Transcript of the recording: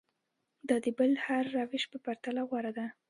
دا د بل هر روش په پرتله غوره ده.